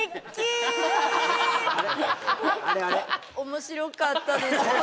面白かったですか？